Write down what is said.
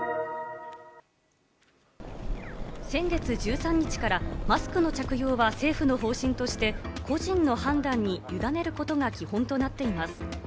先月１３日からマスクの着用は政府の方針として、個人の判断にゆだねることが基本となっています。